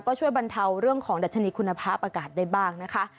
ก็ช่วยบรรเทาเรื่องของดัชนีคุณภาพอากาศได้บ้างนะคะ